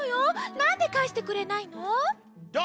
なんでかえしてくれないの？